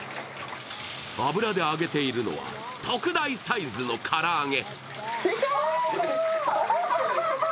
油で揚げているのは特大サイズの唐揚げ。